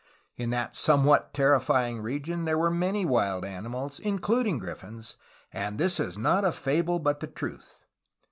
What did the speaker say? In that somewhat terrifying region there were many wild ani mals, including griffins, *^and this is not a fable but the truth."